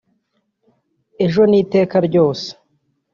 ejo n’iteka ryose